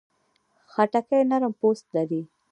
خټکی نرم پوست لري.